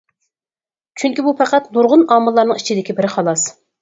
چۈنكى بۇ پەقەت نۇرغۇن ئامىللارنىڭ ئىچىدىكى بىرى خالاس.